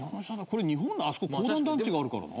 これ日本のあそこ公団団地があるからな。